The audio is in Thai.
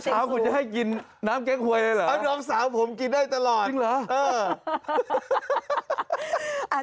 เช้าคุณจะให้กินน้ำเก๊กหวยเลยเหรอน้องสาวผมกินได้ตลอดจริงเหรอ